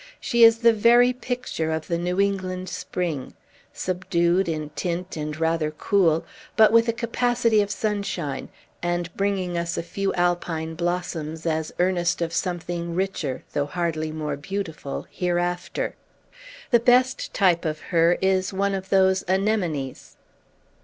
She is the very picture of the New England spring; subdued in tint and rather cool, but with a capacity of sunshine, and bringing us a few Alpine blossoms, as earnest of something richer, though hardly more beautiful, hereafter. The best type of her is one of those anemones."